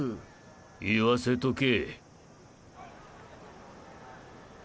言わせとけ。